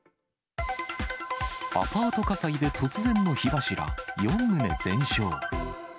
アパート火災で突然の火柱、４棟全焼。